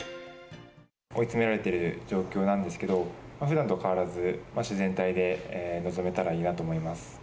追い詰められてる状況なんですけど、ふだんと変わらず、自然体で臨めたらいいなと思います。